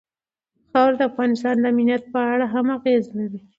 خاوره د افغانستان د امنیت په اړه هم اغېز لري.